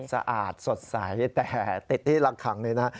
สะอาดสดใสแต่ติดที่ละขังเลยนะ